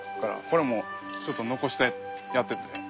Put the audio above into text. これもちょっと残してやってて。